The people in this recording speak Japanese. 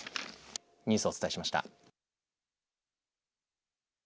ニュースをお伝えしました。